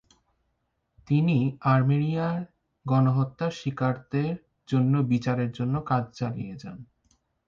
তিনি আর্মেনিয়ায় গণহত্যার শিকারদের জন্য বিচারের জন্য কাজ চালিয়ে যান।